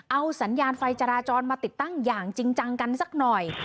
เอาสัญญาณไฟจราจรมาติดตั้งอย่างจริงจังกันสักหน่อย